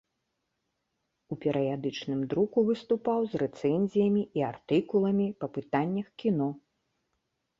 У перыядычным друку выступаў з рэцэнзіямі і артыкуламі па пытаннях кіно.